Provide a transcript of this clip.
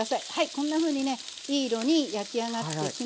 こんなふうにねいい色に焼き上がってきました。